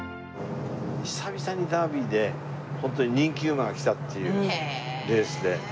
久々にダービーでホントに人気馬がきたっていうレースで。